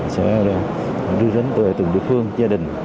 sẽ đưa đến từ từng địa phương gia đình